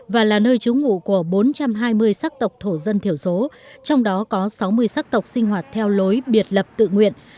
và là nơi trú ngủ của bốn trăm hai mươi sắc tộc thổ dân thiểu số trong đó có sáu mươi sắc tộc sinh hoạt theo lối biệt lập tự nguyện